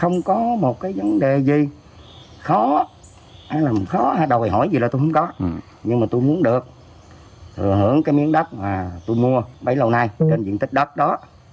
nhưng mà tôi muốn được thừa hưởng cái miếng đất mà tôi mua bấy lâu nay trên diện tích đất đó